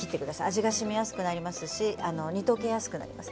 味がしみやすくなりますし煮溶けやすくなります。